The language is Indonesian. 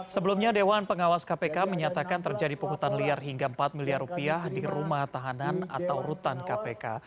sebelumnya dewan pengawas kpk menyatakan terjadi pungutan liar hingga empat miliar rupiah di rumah tahanan atau rutan kpk